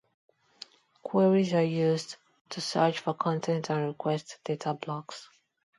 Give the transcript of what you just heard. Queries are used to search for content and request data blocks.